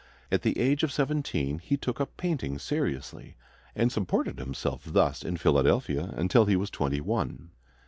At the age of seventeen he took up painting seriously, and supported himself thus in Philadelphia until he was twenty one.